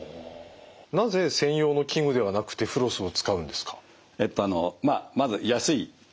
なぜ専用の器具ではなくてフロスを使うんですか？